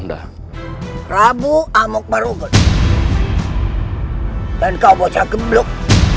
dan kau bocah gemblok